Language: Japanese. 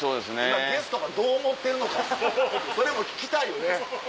今ゲストがどう思ってるのかそれも聞きたいよね。